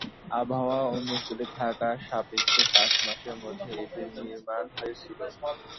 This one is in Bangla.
আবহাওয়া অনুকূলে থাকা সাপেক্ষে পাঁচ মাসের মধ্যে এটির নির্মাণ হয়েছিল।